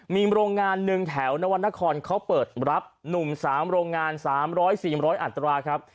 มีโรงงานหนึ่งแถวนวรรณคอนเขาเปิดรับหนุ่มสามโรงงานสามร้อยสี่ร้อยอันตราครับ